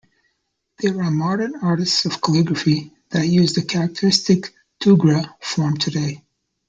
There are modern artists of calligraphy that use the characteristic tughra form today.